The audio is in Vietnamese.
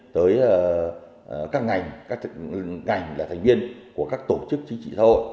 tới các ngành là thành viên của các tổ chức chính trị xã hội